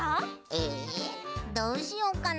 えどうしよっかな？